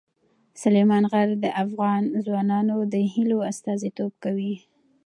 سلیمان غر د افغان ځوانانو د هیلو استازیتوب کوي.